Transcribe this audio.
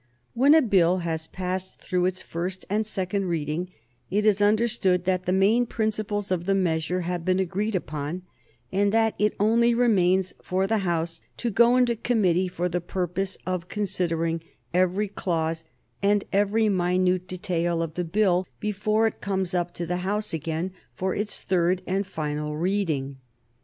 When a Bill has passed through its first and second reading it is understood that the main principles of the measure have been agreed upon, and that it only remains for the House to go into committee for the purpose of considering every clause and every minute detail of the Bill before it comes up to the House again for its third and final reading.